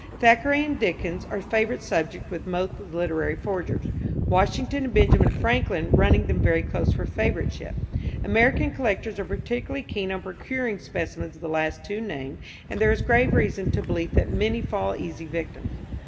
Thackeray and Dickens are favourite subjects with most literary forgers, Washington and Benjamin Franklin running them very close for favouriteship. American collectors are particularly keen on procuring specimens of the last two named, and there is grave reason to believe that many fall easy victims.